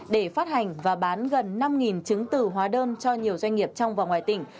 để phát hành và bán gần năm chứng từ hóa đơn cho nhiều doanh nghiệp trong và ngoài tỉnh